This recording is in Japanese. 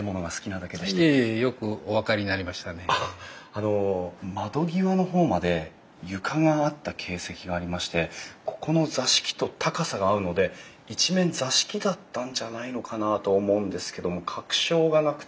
あの窓際の方まで床があった形跡がありましてここの座敷と高さが合うので一面座敷だったんじゃないのかなと思うんですけども確証がなくて。